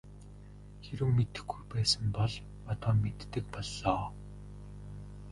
Хэрэв мэдэхгүй байсан бол одоо мэддэг боллоо.